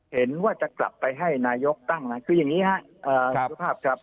เห็นว่าจะกลับไปให้นายกตั้งนะคืออย่างนี้ครับสุภาพครับ